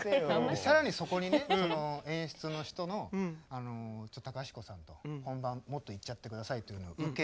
更にそこにね演出の人の「ちょっと隆子さん」と「本番もっといっちゃって下さい」というのを受け。